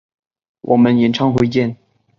我们演唱会见！